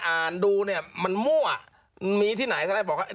อ่านดูเนี่ยมันมั่วมีที่ไหนซัลลายบอกว่า